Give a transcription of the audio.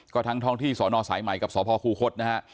ก็ทั้งท้องที่สอนอสายใหม่กับสพคูคศนะฮะ